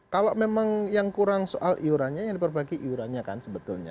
kalau memang yang kurang soal iurannya yang diperbaiki iurannya kan sebetulnya